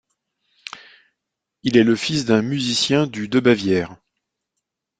Il est le fils d'un musicien du de Bavière.